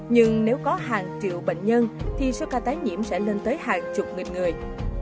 nhưng nếu có hàng triệu bệnh nhân thì số ca tái nhiễm sẽ lên tới hàng chục nghìn người